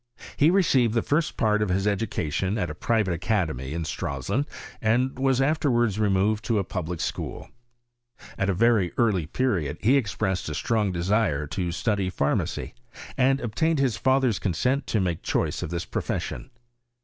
He received the first part of his education at a private academy in Stralsund, and was Os walds removed to a public school. At % ver^ earij period be expressed a strong desire to study ]di8i macy, and obtained Kis father's consent to m^e choice of this profession.